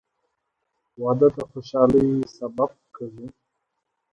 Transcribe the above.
• واده د خوشحالۍ سبب کېږي.